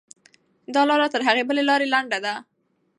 دا لاره تر هغې بلې لارې لنډه ده.